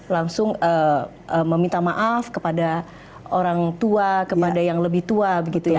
langsung meminta maaf kepada orang tua kepada yang lebih tua begitu ya